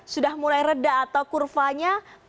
sudah mulai reda atau kurvanya